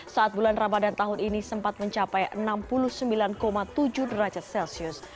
saat bulan ramadan tahun ini sempat mencapai enam puluh sembilan tujuh derajat celcius